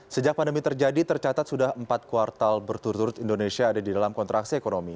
sejak pandemi terjadi tercatat sudah empat kuartal berturut turut indonesia ada di dalam kontraksi ekonomi